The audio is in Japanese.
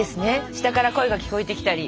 下から声が聞こえてきたり。